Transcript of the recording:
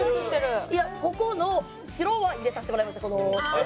ここの白は入れさせてもらいました。